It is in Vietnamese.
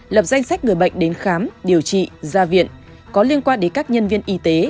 lập danh sách người bệnh đến khám điều trị ra viện có liên quan đến các nhân viên y tế